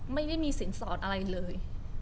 ไม่ได้มีสินสอดอะไรเลย